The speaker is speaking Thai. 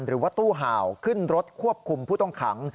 หรือว่าตู้ห่าวขึ้นรถควบคุมผู้ต้องขัง